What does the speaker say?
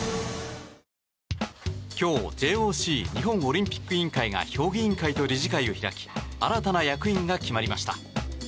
今日、ＪＯＣ・日本オリンピック委員会が評議員会と理事会を開き新たな役員が決まりました。